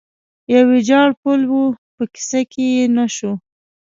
یو ویجاړ پل و، په کیسه کې یې نه شو.